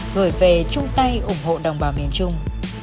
gửi về chung tay ủng hộ đồng bào miền trung